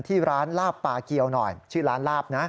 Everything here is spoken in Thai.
ที่ร้านลาบปลาเกียวหน่อยชื่อร้านลาบนะ